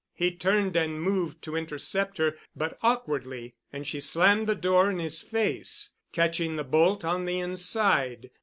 He turned and moved to intercept her but awkwardly and she slammed the door in his face, catching the bolt on the inside.